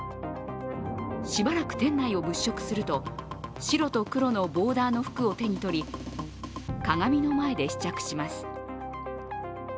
しばらく店内を物色すると白と黒のボーダーの服を手にとり鏡の前で試着します。